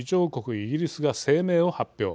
イギリスが声明を発表。